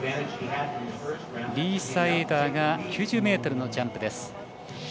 リーサ・エーダーが９０ｍのジャンプです。